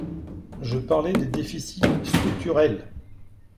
Je parlais des déficits structurels